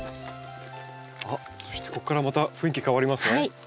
あっそしてここからまた雰囲気変わりますね。